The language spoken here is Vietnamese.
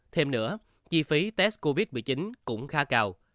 thêm nữa chi phí test covid một mươi chín cũng khá cao